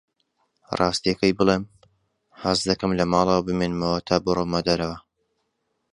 ڕاستییەکەی بڵێم، حەز دەکەم لە ماڵەوە بمێنمەوە تا بڕۆمە دەرەوە.